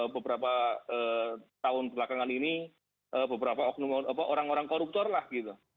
beberapa tahun belakangan ini beberapa orang orang koruptor lah gitu